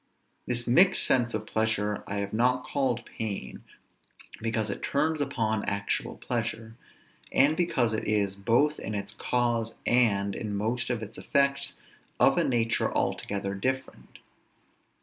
This mixed sense of pleasure I have not called pain, because it turns upon actual pleasure, and because it is, both in its cause and in most of its effects, of a nature altogether different.